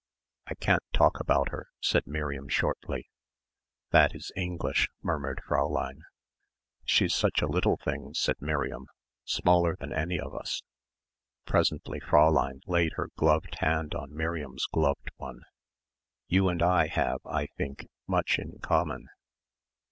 "I can't talk about her," said Miriam shortly. "That is English," murmured Fräulein. "She's such a little thing," said Miriam, "smaller than any of us." Presently Fräulein laid her gloved hand on Miriam's gloved one. "You and I have, I think, much in common."